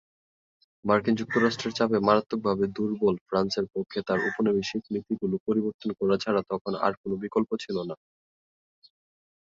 মার্কিন যুক্তরাষ্ট্রের চাপে মারাত্মকভাবে দুর্বল ফ্রান্সের পক্ষে তার উপনিবেশিক নীতিগুলি পরিবর্তন করা ছাড়া তখন আর কোন বিকল্প ছিল না।